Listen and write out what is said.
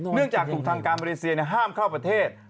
เนื่องจากถูกทางการมาเลเซียห้ามเข้าประเทศ